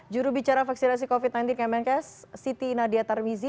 jurubicara vaksinasi covid sembilan belas kemenkes siti nadia tarmizi